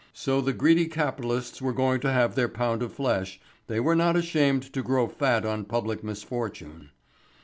So the greedy capitalists were going to have their pound of flesh, they were not ashamed to grow fat on public misfortune.